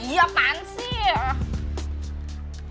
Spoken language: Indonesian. iya apaan sih